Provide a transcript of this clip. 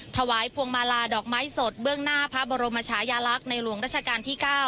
ถวายพวงมาลาดอกไม้สดเบื้องหน้าพระบรมชายาลักษณ์ในหลวงราชการที่๙